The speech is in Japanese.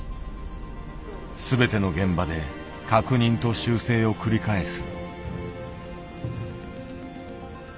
全ての現場で確認と修正を繰り返す。